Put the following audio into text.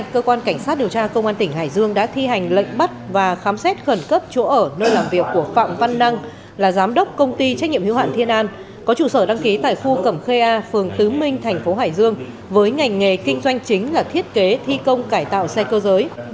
cơ quan cảnh sát điều tra công an tỉnh hải dương đã thi hành lệnh bắt và khám xét khẩn cấp chỗ ở nơi làm việc của phạm văn năng là giám đốc công ty trách nhiệm hiếu hạn thiên an có trụ sở đăng ký tại khu cẩm khê a phường tứ minh thành phố hải dương với ngành nghề kinh doanh chính là thiết kế thi công cải tạo xe cơ giới